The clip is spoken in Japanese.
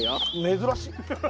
珍しい。